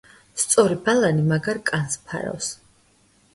სწორი ბალანი მაგარ კანს ფარავს.